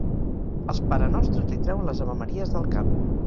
Els parenostres li treuen les avemaries del cap.